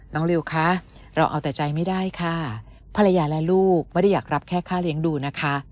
ริวคะเราเอาแต่ใจไม่ได้ค่ะภรรยาและลูกไม่ได้อยากรับแค่ค่าเลี้ยงดูนะคะ